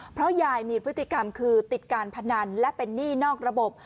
เพราะยายมีพฤติกรรมคือติดการพนันและเป็นหนี้นอกระบบ